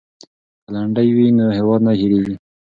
که لنډۍ وي نو هیواد نه هیریږي.